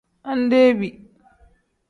Andebi.